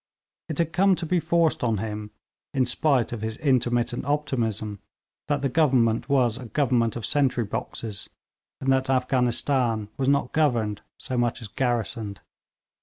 It had come to be forced on him, in spite of his intermittent optimism, that the Government was a government of sentry boxes, and that Afghanistan was not governed so much as garrisoned.